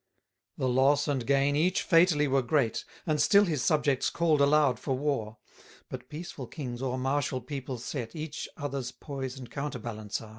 12 The loss and gain each fatally were great; And still his subjects call'd aloud for war; But peaceful kings, o'er martial people set, Each, other's poise and counterbalance are.